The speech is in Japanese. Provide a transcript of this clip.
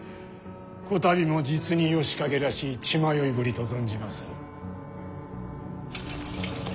こたびも実に義景らしい血迷いぶりと存じまする。